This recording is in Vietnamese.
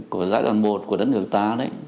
của giai đoạn một của đất nước ta